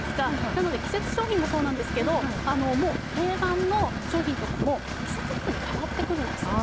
なので、季節商品もそうですが定番の商品とかも季節ごとに変わってくるんですよ。